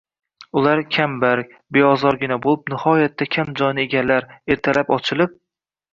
Ular kambarg, beozorgina bo'lib, nihoyatda kam joyni egallar, ertalab ochilib